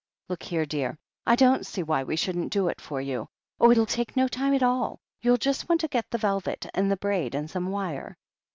"Look here, dear, I don't see why we shouldn't do it for you. Oh, it'll take no time at all — ^you'll just want to get the velvet, and the braid, and some wire.